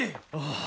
ああ。